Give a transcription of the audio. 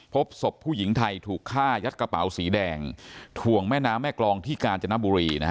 พบศพผู้หญิงไทยถูกฆ่ายัดกระเป๋าสีแดงถ่วงแม่น้ำแม่กรองที่กาญจนบุรี